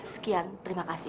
sekian terima kasih